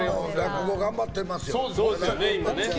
頑張ってますよ。